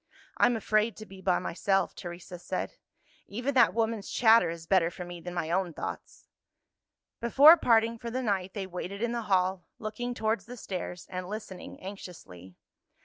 "I'm afraid to be by myself," Teresa said. "Even that woman's chatter is better for me than my own thoughts." Before parting for the night they waited in the hall, looking towards the stairs, and listening anxiously.